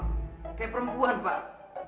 kayak perempuan pak